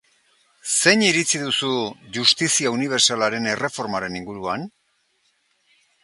Zein iritzi duzu justizia unibertsalaren erreformaren inguruan?